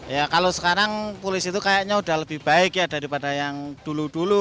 ya kalau sekarang polisi itu kayaknya udah lebih baik ya daripada yang dulu dulu